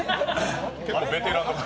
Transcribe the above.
結構ベテランの方。